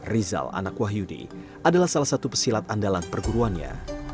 rizal anak wahyudi adalah salah satu pesilat andalan perguruannya